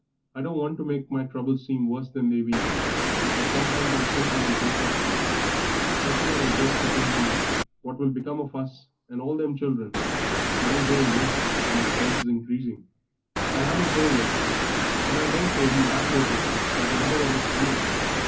I don't want to make my troubles seem worse than they be, but sometimes I think I will break up, 'special when I get to thinking what will become of us and all them children, money growing less and expenses increasing. I haven't told yer, but I daresay you have noticed that another one is coming.